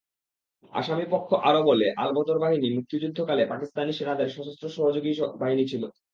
আসামিপক্ষ আরও বলে, আলবদর বাহিনী মুক্তিযুদ্ধকালে পাকিস্তানি সেনাদের সশস্ত্র সহযোগী বাহিনী ছিল।